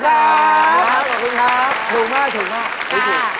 ขอบคุณครับถูกมากถูกมาก